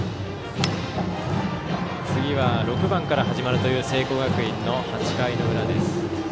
次は６番から始まるという聖光学院の８回の裏です。